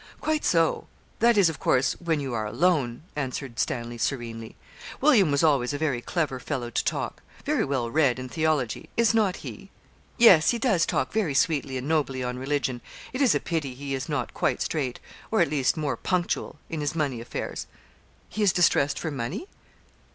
'Quite so; that is, of course, when you are alone,' answered Stanley, serenely. 'William was always a very clever fellow to talk very well read in theology is not he? yes, he does talk very sweetly and nobly on religion; it is a pity he is not quite straight, or at least more punctual, in his money affairs.' 'He is distressed for money?